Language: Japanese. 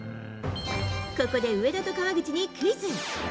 ここで上田と川口にクイズ。